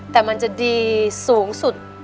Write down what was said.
แต่มันจะดีสูงสุด